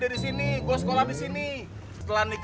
eh disitu baru pindah ke rawa bebek